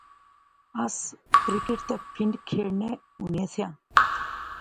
اس کرکٹ تے پھنڈ کھیڈنے ہونے سیاں